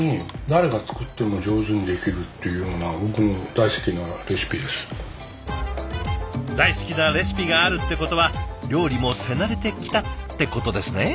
大好きなレシピがあるってことは料理も手慣れてきたってことですね？